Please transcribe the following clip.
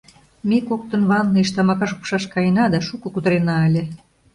Ме коктын ванныйыш тамака шупшаш каена да шуко кутырена ыле.